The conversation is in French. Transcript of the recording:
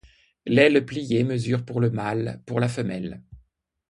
L'aile pliée mesure pour le mâle, pour la femelle.